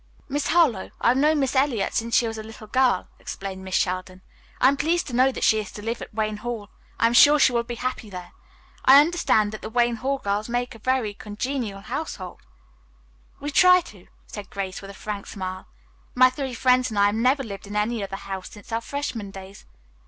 "Miss Harlowe, I have known Miss Eliot since she was a little girl," explained Miss Sheldon. "I am pleased to know that she is to live at Wayne Hall. I am sure she will be happy there. I understand that the Wayne Hall girls make a very congenial household." "We try to," said Grace with a frank smile. "My three friends and I have never lived in any other house since our freshman days.